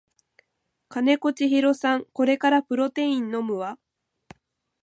金子千尋さんこれからプロテイン飲むわ